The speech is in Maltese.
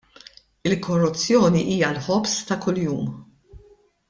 Il-korruzzjoni hija l-ħobż ta' kuljum.